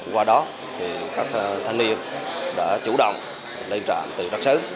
qua đó các thanh niên đã chủ động lên trạm từ đặc sứ